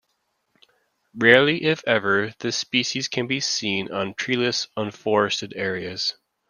Rarely, if ever, this species can be seen on treeless, unforested areas.